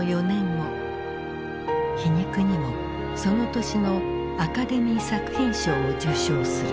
皮肉にもその年のアカデミー作品賞を受賞する。